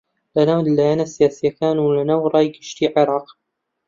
لەناو لایەنە سیاسییەکان و لەناو ڕای گشتی عێراق